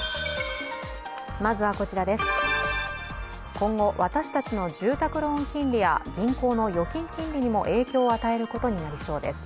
今後、私たちの住宅ローン金利や銀行の預金金利にも影響を与えることになりそうです。